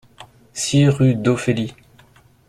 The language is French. six rue d'Ophélie